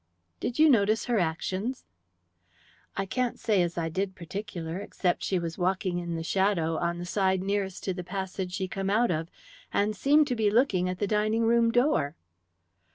"Did you notice her actions?" "I can't say as I did particular, except that she was walking in the shadow, on the side nearest to the passage she come out of, and seemed to be looking at the dining room door."